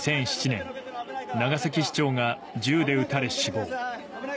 ２００７年、長崎市長が銃で撃たれ死亡。